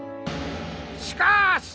しかし！